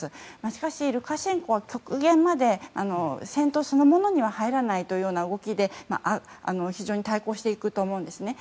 しかしルカシェンコは極限まで戦闘そのものには入らないという動きで非常に対抗していくと思うんですね。